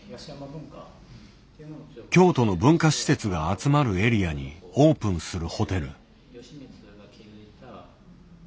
京都の文化施設が集まるエリアにオープンするホテル。